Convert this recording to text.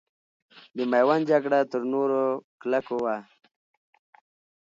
د میوند جګړه تر نورو کلکو وه.